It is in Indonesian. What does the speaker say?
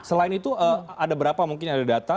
selain itu ada berapa mungkin ada data